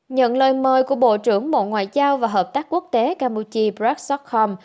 nhận lời mời của bộ trưởng bộ ngoại giao và hợp tác quốc tế campuchia brad stockholm